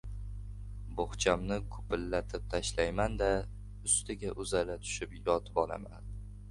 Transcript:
Bo‘xchamni gupillatib tashlayman-da — ustiga uzala tushib yotibolaman.